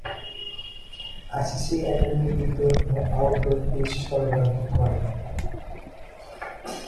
ICC academy indoor ও outdoor pitch সরবরাহ করে।